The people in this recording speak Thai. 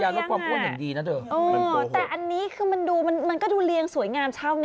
อันนั้นเขาเลี้ยง